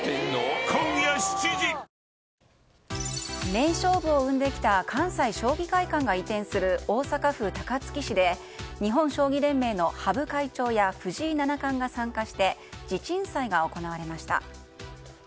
名勝負を生んできた関西将棋会館が移転する大阪府高槻市で日本将棋連盟の羽生会長や藤井七冠が参加して地鎮祭が行われました。